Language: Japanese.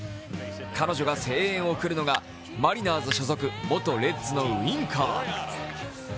彼女が声援を送るのがマリナーズ所属元レッズのウィンカー。